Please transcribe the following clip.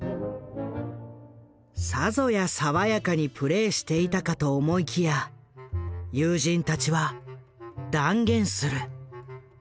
さぞや爽やかにプレーしていたかと思いきや友人たちは断言する。